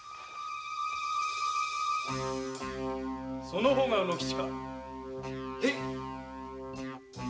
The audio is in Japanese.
その方が卯之吉か。